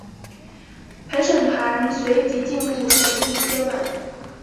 陪审团随即进入审议阶段。